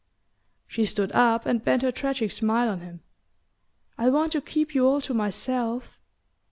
She stood up and bent her tragic smile on him. "I want to keep you all to myself."